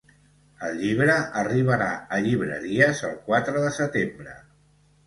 El llibre arribarà a llibreries el quatre de setembre.